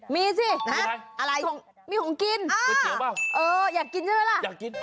มีสิอะไรมีของกินโกยเตี๋ยวเปล่าอยากกินใช่ไหมล่ะอยากกิน